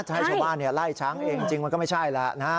ให้ชาวบ้านไล่ช้างเองจริงมันก็ไม่ใช่แหละนะ